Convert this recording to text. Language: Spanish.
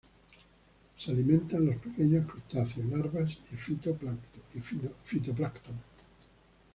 Se alimentan de pequeños crustáceos, larvas y fito plancton.